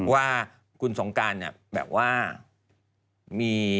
ว่าคุณสงการแบบว่ามี